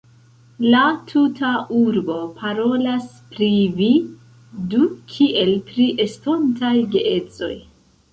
La tuta urbo parolas pri vi du kiel pri estontaj geedzoj.